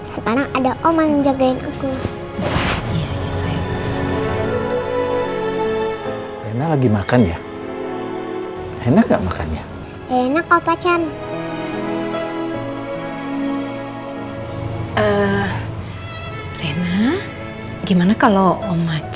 sekarang ada om yang jagain aku